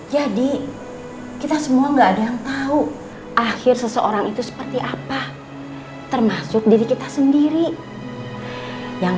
jadi kita semua enggak ada yang tahu akhir seseorang itu seperti apa termasuk diri kita sendiri yang